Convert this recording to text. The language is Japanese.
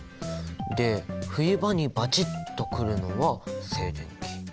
で冬場にバチッとくるのは静電気。